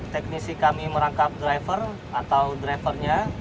teknisi kami merangkap driver atau drivernya